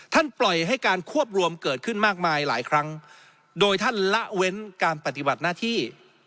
ปล่อยให้การควบรวมเกิดขึ้นมากมายหลายครั้งโดยท่านละเว้นการปฏิบัติหน้าที่